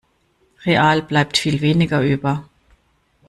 Real bleibt viel weniger über.